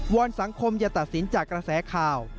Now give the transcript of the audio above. วรรณสังคมจะตัดสินจากกระแสข่าว